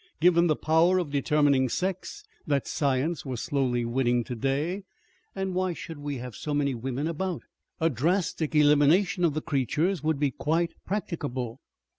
Given the power of determining sex that science was slowly winning today, and why should we have so many women about? A drastic elimination of the creatures would be quite practicable.